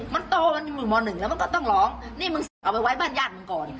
มันโตมันอยู่มหนึ่งแล้วมันก็ต้องร้องนี่มึงเอาไปไว้บ้านญาติมึงก่อน